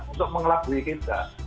untuk mengelabui kita